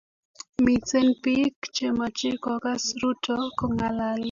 Miten pik che mache kokas Ruto kongalale